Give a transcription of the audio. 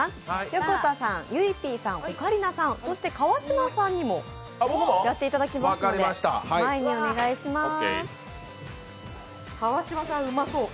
横田さん、ゆいＰさん、オカリナさんそして川島さんにもやっていただきますので前にお願いします。